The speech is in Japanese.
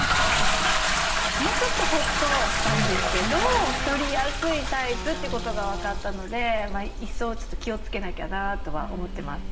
まあちょっとホッとはしたんですけど太りやすいタイプってことが分かったので一層ちょっと気をつけなきゃなとは思ってます。